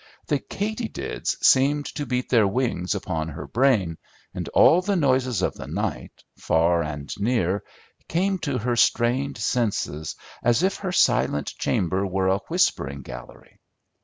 The katydids seemed to beat their wings upon her brain, and all the noises of the night, far and near, came to her strained senses as if her silent chamber were a whispering gallery.